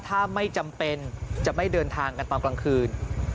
ถ้าไม่จำเป็นจะไม่เดินทางกันตอนกลางคืน